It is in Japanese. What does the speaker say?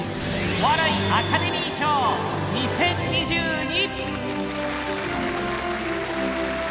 お笑いアカデミー賞２０２２